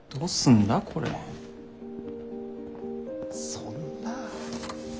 そんなぁ。